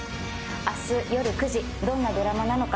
明日夜９時、どんなドラマなのか。